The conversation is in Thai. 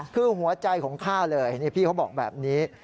คือหัวใจของข้าเลยพี่เขาบอกแบบนี้